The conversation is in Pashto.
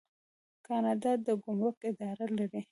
کاناډا د ګمرک اداره لري.